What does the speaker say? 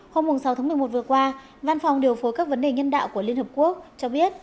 hôm sáu tháng một mươi một vừa qua văn phòng điều phối các vấn đề nhân đạo của liên hợp quốc cho biết